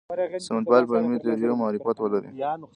سمونپال په علمي تیوریو معرفت ولري.